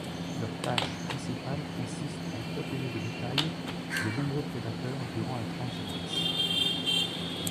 Leur tâche principale consiste à protéger le bétail des nombreux prédateurs durant la transhumance.